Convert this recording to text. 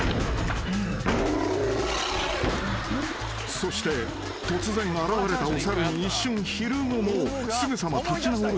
［そして突然現れたお猿に一瞬ひるむもすぐさま立ち直る